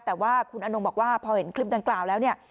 แต่ว่าคุณอนงบอกว่าพอเห็นคลิปดังกล่าวแล้วเนี่ย